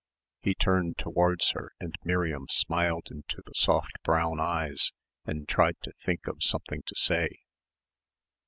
He turned towards her and Miriam smiled into the soft brown eyes and tried to think of something to say.